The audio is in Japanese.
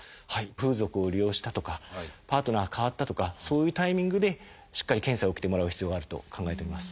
風俗を利用したとかパートナーが変わったとかそういうタイミングでしっかり検査を受けてもらう必要があると考えております。